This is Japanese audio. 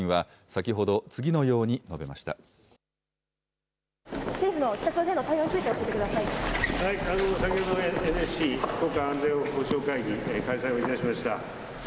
先ほど、ＮＳＣ・国家安全保障会議、開催をいたしました。